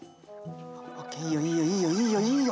オッケーいいよいいよいいよいいよいいよ！